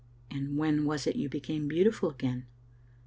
" "And when was it you became beautiful again?"